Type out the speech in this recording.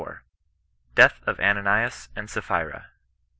— DEATH OF ANANIAS AND SAPPHIBA.